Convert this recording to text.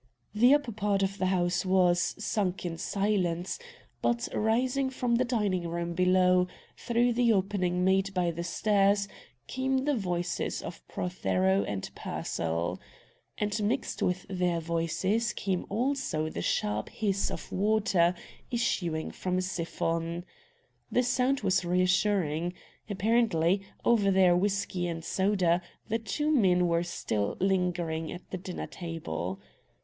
The upper part of the house was, sunk in silence, but rising from the dining room below, through the opening made by the stairs, came the voices of Prothero and Pearsall. And mixed with their voices came also the sharp hiss of water issuing from a siphon. The sound was reassuring. Apparently, over their whiskey and soda the two men were still lingering at the dinner table.